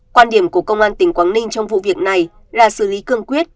quan điểm của công an tỉnh quảng ninh trong vụ việc này là xử lý cương quyết